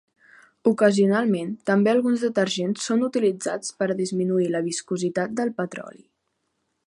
Ocasionalment, també alguns detergents són utilitzats per a disminuir la viscositat del petroli.